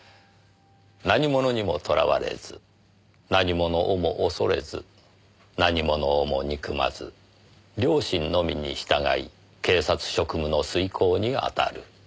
何ものにもとらわれず何ものをも恐れず何ものをも憎まず良心のみに従い警察職務の遂行に当たる。